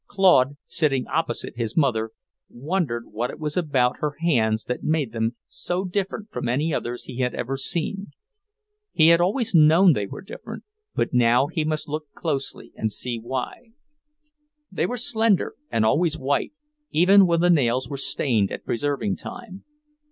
Claude, sitting opposite his mother, wondered what it was about her hands that made them so different from any others he had ever seen. He had always known they were different, but now he must look closely and see why. They were slender, and always white, even when the nails were stained at preserving time.